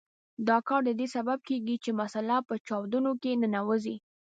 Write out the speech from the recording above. دا کار د دې سبب کیږي چې مساله په چاودونو کې ننوځي.